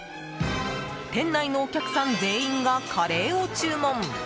店内のお客さん全員がカレーを注文。